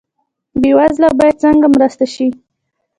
بې وزله باید څنګه مرسته شي؟